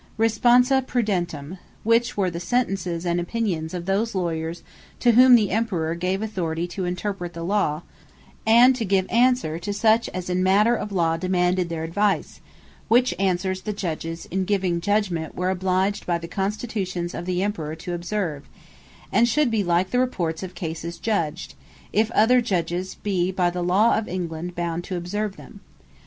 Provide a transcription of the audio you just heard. Responsa Prudentum; which were the Sentences, and Opinions of those Lawyers, to whom the Emperour gave Authority to interpret the Law, and to give answer to such as in matter of Law demanded their advice; which Answers, the Judges in giving Judgement were obliged by the Constitutions of the Emperour to observe; And should be like the Reports of Cases Judged, if other Judges be by the Law of England bound to observe them.